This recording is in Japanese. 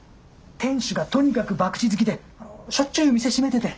店主がとにかく博打好きでしょっちゅう店閉めてて。